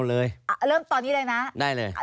เริ่มตอนนี้เลยนะได้เลย